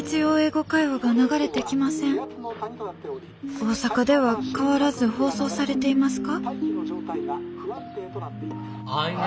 大阪では変わらず放送されていますか？」。